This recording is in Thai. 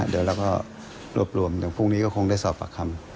เดี๋ยวแล้วพอรวบรวมจนพรุ่งนี้ก็คงได้สอบปรับคำ